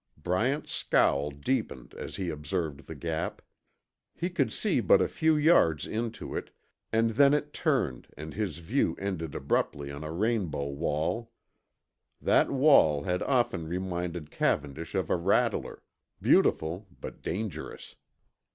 Bryant's scowl deepened as he observed the Gap. He could see but a few yards into it, and then it turned and his view ended abruptly on a rainbow wall. That wall had often reminded Cavendish of a rattler, beautiful but dangerous.